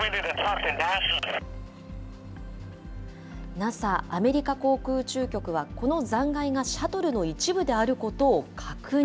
ＮＡＳＡ・アメリカ航空宇宙局はこの残骸がシャトルの一部であることを確認。